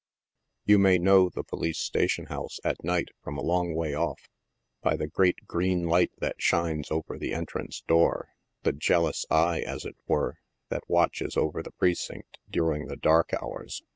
1 ou may know the Police station house at night from a long way off, by the great green light that shines over the entrance door — the jealous eye, as it were, that watches over the precinct during the dark hours.